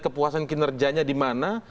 kepuasan kinerjanya di mana